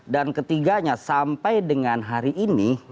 dan ketiganya sampai dengan hari ini